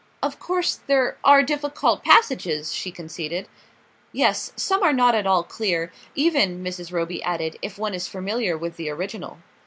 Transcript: "Of course there are difficult passages," she conceded. "Yes; some are not at all clear even," Mrs. Roby added, "if one is familiar with the original."